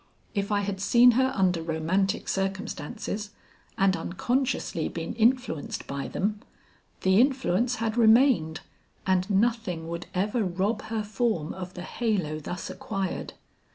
If I had seen her under romantic circumstances, and unconsciously been influenced by them, the influence had remained and nothing would ever rob her form of the halo thus acquired.